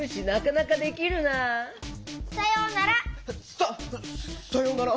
ささようなら。